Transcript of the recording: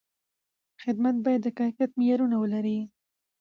خدمت باید د کیفیت معیارونه ولري.